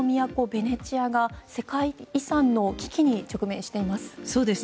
ベネチアが世界遺産の危機に直面しています。